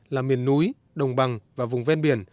là miền núi đồng bằng và vùng ven biển